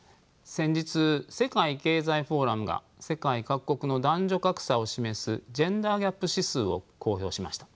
先日世界経済フォーラムが世界各国の男女格差を示すジェンダーギャップ指数を公表しました。